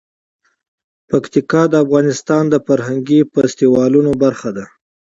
پکتیکا د افغانستان د فرهنګي فستیوالونو برخه ده.